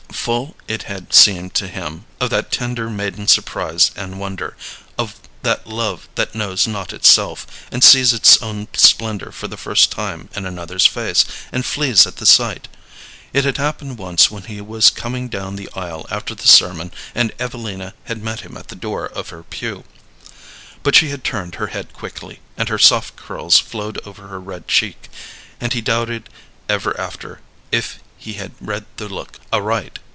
Full it had seemed to him of that tender maiden surprise and wonder, of that love that knows not itself, and sees its own splendor for the first time in another's face, and flees at the sight. It had happened once when he was coming down the aisle after the sermon and Evelina had met him at the door of her pew. But she had turned her head quickly, and her soft curls flowed over her red cheek, and he doubted ever after if he had read the look aright.